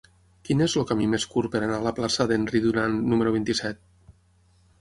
Quin és el camí més curt per anar a la plaça d'Henry Dunant número vint-i-set?